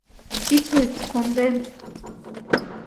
— Ит лӱд, кондем...